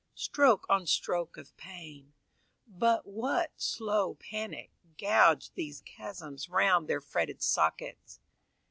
Stroke on stroke of pain, but what slow panic, Gouged these chasms round their fretted sockets?